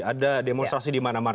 ada demonstrasi di manamara